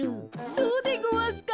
そうでごわすか？